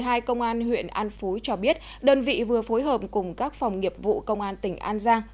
chiều một mươi một mươi hai công an huyện an phú cho biết đơn vị vừa phối hợp cùng các phòng nghiệp vụ công an tỉnh an giang